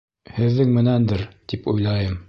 Һеҙҙең менәндер, тип уйлайым.